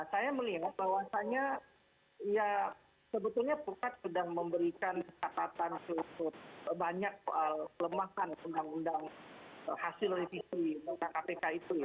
saya melihat bahwasannya ya sebetulnya pukat sedang memberikan katatan seluruh banyak kelemahan undang undang hasil revisi kpk itu